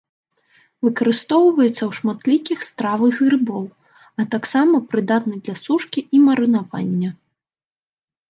Выкарыстоўваецца ў шматлікіх стравах з грыбоў, а таксама прыдатны для сушкі і марынавання.